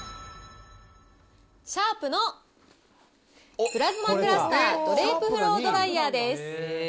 シャープのプラズマクラスタードレープフロードライヤーです。